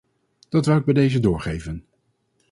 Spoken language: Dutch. Dat wou ik bij deze doorgeven.